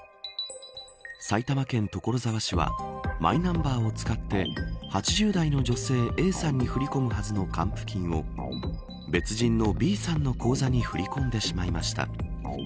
埼玉県所沢市はマイナンバーを使って８０代の女性Ａさんに振り込むはずの還付金を別人のＢさんの口座に振り込んでしまいました。